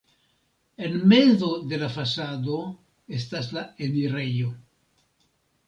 En mezo de la fasado estas la enirejo.